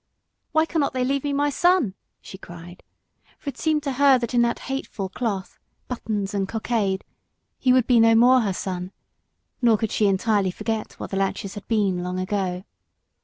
"Why cannot they leave me my son?" she cried; for it seemed to her that in that hateful cloth, buttons and cockade, he would be no more her son, and she could not forget what the Latches had been long ago.